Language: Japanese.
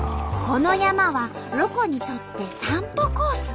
この山はロコにとって散歩コース。